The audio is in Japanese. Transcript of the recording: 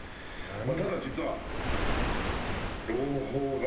ただ実は。